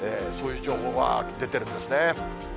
そういう情報が出てるんですね。